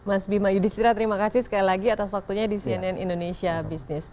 mas bima yudhistira terima kasih sekali lagi atas waktunya di cnn indonesia business